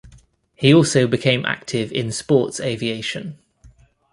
He also became active in sports aviation.